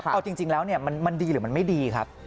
เอาจริงแล้วมันดีหรือมันไม่ดีครับ